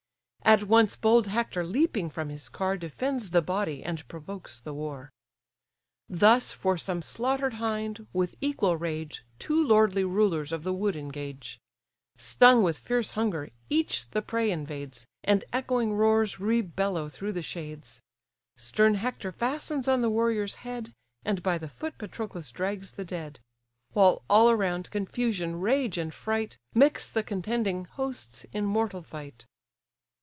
At once bold Hector leaping from his car, Defends the body, and provokes the war. Thus for some slaughter'd hind, with equal rage, Two lordly rulers of the wood engage; Stung with fierce hunger, each the prey invades, And echoing roars rebellow through the shades. Stern Hector fastens on the warrior's head, And by the foot Patroclus drags the dead: While all around, confusion, rage, and fright, Mix the contending hosts in mortal fight.